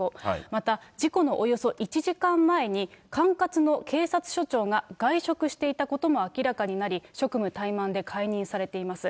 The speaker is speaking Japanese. また、事故のおよそ１時間前に、管轄の警察署長が外食していたことも明らかになり、職務怠慢で解任されています。